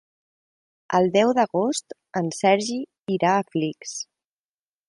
El deu d'agost en Sergi irà a Flix.